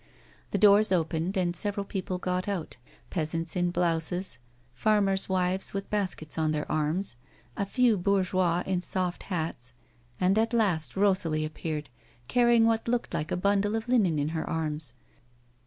The doors opened and several people got out — peasants in blouses, farmers' wives with baskets on their arms, a few bourgeois in soft hats — and at last Rosalie appeared, carry ing what looked like a bundle of linen in her arms.